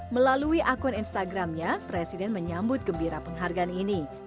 melalui akun instagramnya presiden menyambut gembira penghargaan ini